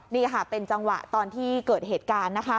นี่ค่ะเป็นจังหวะตอนที่เกิดเหตุการณ์